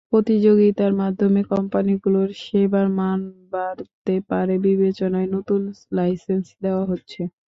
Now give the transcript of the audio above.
প্রতিযোগিতার মাধ্যমে কোম্পানিগুলোর সেবার মান বাড়তে পারে বিবেচনায় নতুন লাইসেন্স দেওয়া হচ্ছে।